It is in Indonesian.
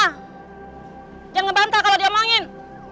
jangan ngebantah kalau dia emangin